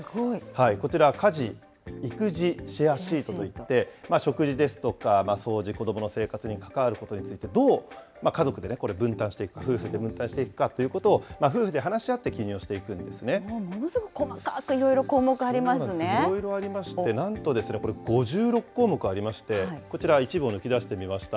こちら、家事・育児シェアシートといって、食事ですとか掃除、子どもの生活に関わることについて、家族でどうこれ分担していくか、夫婦で分担していくかということを夫婦で話し合って記入をしていものすごく細かくいろいろ項いろいろありまして、なんとですね、これ、５６項目ありまして、こちらは一部を抜き出してみました。